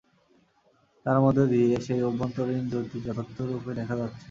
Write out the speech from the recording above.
তার মধ্য দিয়ে সেই অভ্যন্তরীণ জ্যোতি যথার্থরূপে দেখা যাচ্ছে।